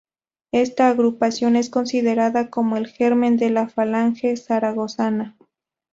Esta agrupación es considerada como el germen de la Falange zaragozana.